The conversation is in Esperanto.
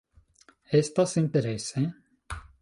Estas interese.